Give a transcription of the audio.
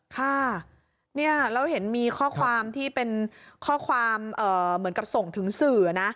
ค่ะเนี่ยแล้วเห็นมีข้อความที่เป็นข้อความเหมือนกับส่งถึงสื่อนะ